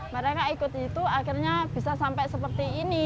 mereka ikut itu akhirnya bisa sampai seperti ini